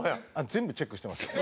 全部チェックしてますよ。